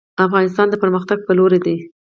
افغانستان د پرمختګ په لور دی